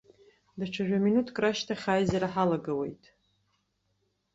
Даҽа жәа-минуҭк рышьҭахь аизара ҳалагауеит.